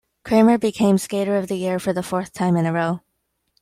Kramer became Skater of the year for the fourth time in a row.